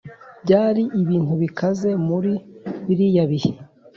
byari ibintu bikaze muri biriya bihe